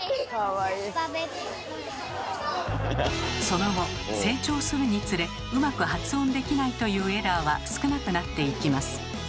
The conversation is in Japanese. その後成長するにつれうまく発音できないというエラーは少なくなっていきます。